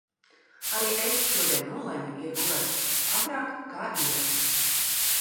Arī es šodien nolemju iet gulēt agrāk kā ierasts.